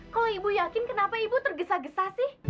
kalau ibu yakin kenapa ibu tergesa gesa sih